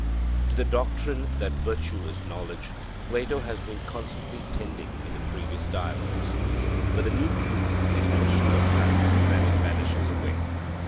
To the doctrine that virtue is knowledge, Plato has been constantly tending in the previous Dialogues. But the new truth is no sooner found than it vanishes away.